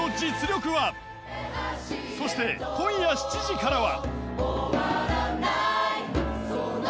［そして今夜７時からは］